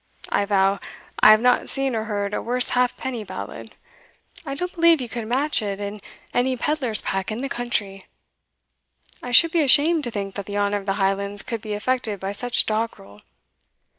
I vow, I have not seen or heard a worse halfpenny ballad; I don't believe you could match it in any pedlar's pack in the country. I should be ashamed to think that the honour of the Highlands could be affected by such doggrel.